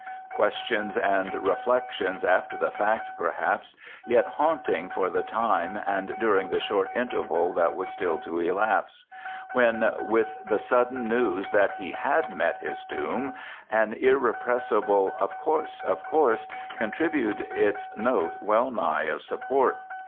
Questions and reflections after the fact perhaps, yet haunting for the time and during the short interval that was still to elapse when, with the sudden news that he had met his doom, an irrepressible "of course, of course!" contributed its note well nigh of support.